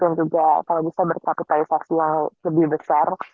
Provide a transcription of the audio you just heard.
dan juga kalau bisa berkapitalisasi yang lebih besar